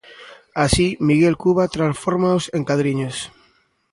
Así, Miguel Cuba transfórmaos en cadriños.